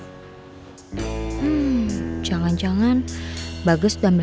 hmm jangan jangan bagas ambil hpnya reva